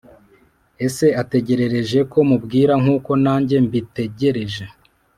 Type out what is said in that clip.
Ese ategerereje ko mubwira nkuko nanjye mbitegereje